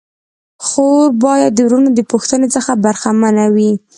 خور باید د وروڼو د پوښتني څخه برخه منه وي.